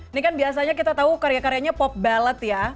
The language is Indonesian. ini kan biasanya kita tahu karya karyanya pop ballot ya